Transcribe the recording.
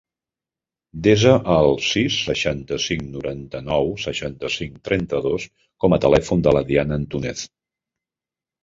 Desa el sis, seixanta-cinc, noranta-nou, seixanta-cinc, trenta-dos com a telèfon de la Diana Antunez.